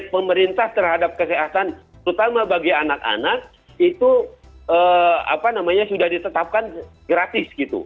pemerintah terhadap kesehatan terutama bagi anak anak itu sudah ditetapkan gratis gitu